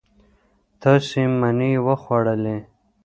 تاسو مڼې وخوړلې.